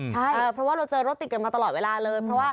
เพราะว่าเราเจอรถติดกันมาตลอดเวลาเลยเพราะว่า